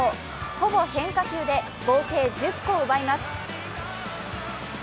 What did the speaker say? ほぼ変化球で合計１０個奪います。